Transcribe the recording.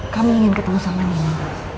kami ingin ketemu sama dengan